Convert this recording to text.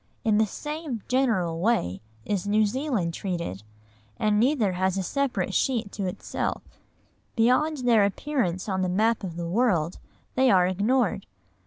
In the same general way is New Zealand treated, and neither has a separate sheet to itself; beyond their appearance on the map of the world, they are ignored.